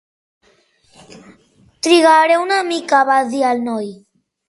"Trigaré una mica", va dir el noi.